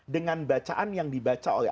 dengan bacaan yang dibaca oleh